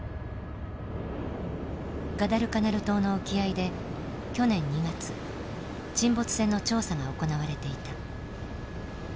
ガダルカナル島の沖合で去年２月沈没船の調査が行われていた。